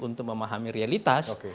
untuk memahami realitas